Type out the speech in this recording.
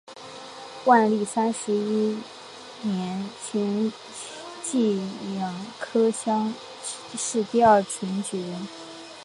万历三十一年癸卯科乡试第二名举人。